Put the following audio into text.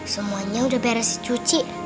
semuanya udah beres dicuci